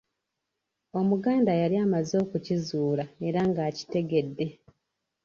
Omuganda yali amaze okukizuula era ng'akitegedde